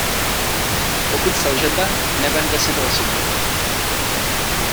Pokud selžete, neberte si to osobně.